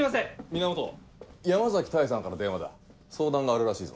源山崎多江さんから電話だ相談があるらしいぞ。